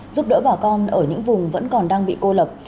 giúp đỡ bà con ở những vùng vẫn còn đang bị cô lập